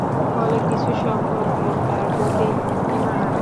ফলে কিছু সংখ্যক লোক তাঁর প্রতি ঈমান আনে।